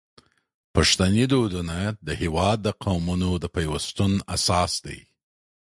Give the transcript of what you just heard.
پښتني دودونه د هیواد د قومونو د پیوستون اساس دی.